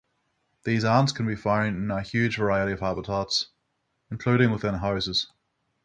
These ants can be found in a huge diversity of habitats, including within houses.